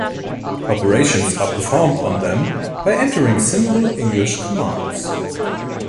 Operations are performed on them by entering simple English commands.